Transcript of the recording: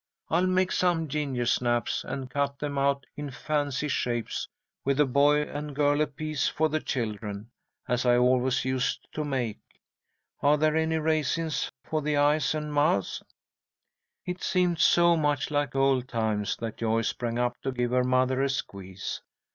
I'll make some gingersnaps, and cut them out in fancy shapes, with a boy and girl apiece for the children, as I always used to make. Are there any raisins for the eyes and mouths?" It seemed so much like old times that Joyce sprang up to give her mother a squeeze.